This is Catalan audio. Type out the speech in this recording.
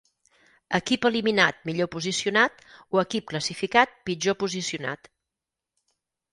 Equip eliminat millor posicionat o equip classificat pitjor posicionat.